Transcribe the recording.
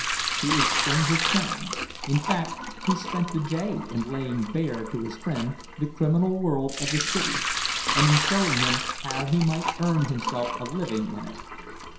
He explained his plan—in fact he spent the day in laying bare to his friend the criminal world of the city, and in showing him how he might earn himself a living in it.